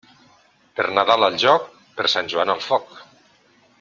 Per Nadal al jóc, per Sant Joan al foc.